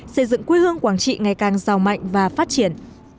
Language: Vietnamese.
xây dựng quê hương quảng trị ngày càng giàu mạnh và phát triển